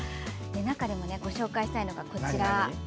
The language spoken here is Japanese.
中でもご紹介したいのがこちら。